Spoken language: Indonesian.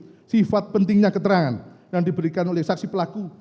dengan sifat pentingnya keterangan yang diberikan oleh saksi pelaku